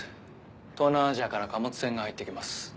東南アジアから貨物船が入ってきます。